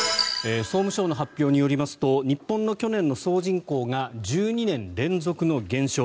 総務省の発表によりますと日本の去年の総人口が１２年連続の減少。